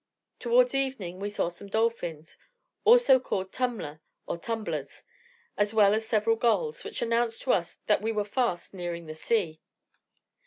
Towards evening we saw some dolphins, called also tummler, or tumblers, as well as several gulls, which announced to us that we were fast nearing the sea.